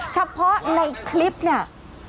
เฉพาะในคลิปเนี่ย